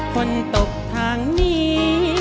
ตกทางนี้